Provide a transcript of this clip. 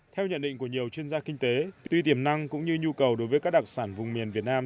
theo nhận định của nhiều chuyên gia kinh tế tuy tiềm năng cũng như nhu cầu đối với các đặc sản vùng miền việt nam